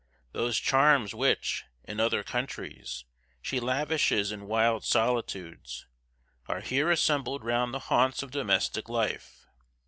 Those charms which, in other countries, she lavishes in wild solitudes, are here assembled round the haunts of domestic life.